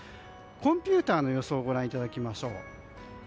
コンピューターの予想をご覧いただきましょう。